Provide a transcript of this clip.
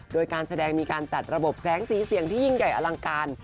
โดยการแสดงมีการจัดระบบแสงสีเสียงที่ยิ่งใหญ่อลังการ